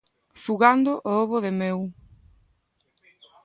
Zugando o ovo de meu.